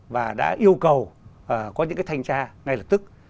và đã yêu cầu có những cái thanh tra ngay lập tức